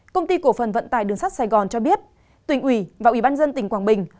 công ty cổ phần vận tải đường sắt sài gòn cho biết tỉnh ủy và ủy ban dân tỉnh quảng bình